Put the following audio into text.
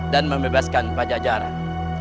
dan membebaskan pajajaran